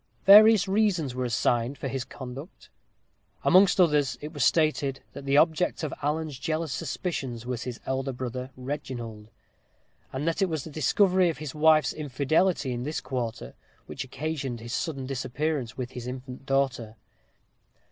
Various reasons were assigned for his conduct. Amongst others, it was stated that the object of Alan's jealous suspicions was his elder brother, Reginald; and that it was the discovery of his wife's infidelity in this quarter which occasioned his sudden disappearance with his infant daughter.